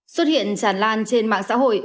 xuất hiện tràn lan trên mạng xã hội